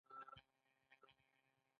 وروسته بیا دغه حالت تحلیلیږي.